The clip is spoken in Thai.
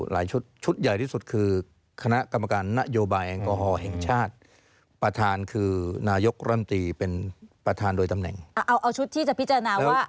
เอาชุดที่จะพิจารณาว่าอันนี้ผิดหรือไม่ผิด